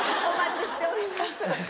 お待ちしております。